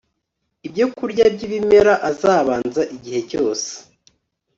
ibyokurya byibimera azabanza igihe cyose